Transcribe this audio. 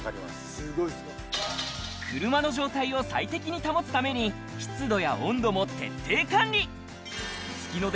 車の状態を最適に保つために湿度や温度も徹底管理